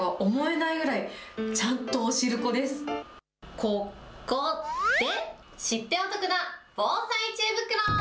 こ、こ、で、知ってお得な防災知恵袋。